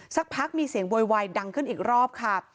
สักพักมีเสียงโวยวายดังขึ้นอีกรอบค่ะ